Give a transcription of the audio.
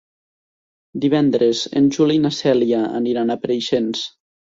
Divendres en Juli i na Cèlia aniran a Preixens.